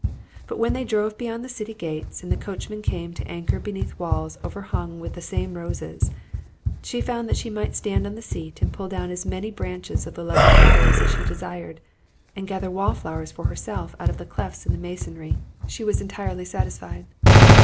But when they drove beyond the city gates, and the coachman came to anchor beneath walls overhung with the same roses, and she found that she might stand on the seat and pull down as many branches of the lovely flowers as she desired, and gather wallflowers for herself out of the clefts in the masonry, she was entirely satisfied.